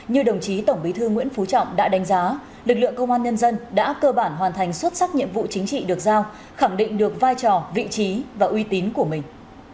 như đồng chí tổng bí thư nguyễn phú trọng đã đánh giá lực lượng công an nhân dân đã cơ bản hoàn thành xuất sắc nhiệm vụ chính trị được giao khẳng định được vai trò vị trí và uy tín của mình